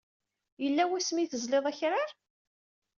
Yella wasmi ay tezliḍ akrar?